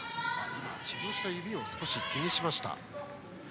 治療した指を少し気にした梅木。